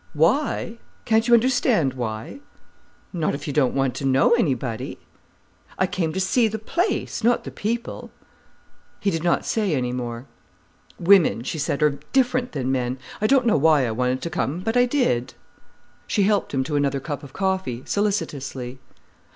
"'Why?' Can't you understand why?" "Not if you don't want to know anybody." "I came to see the place, not the people." He did not say any more. "Women," she said, "are different from men. I don't know why I wanted to come—but I did." She helped him to another cup of coffee, solicitously.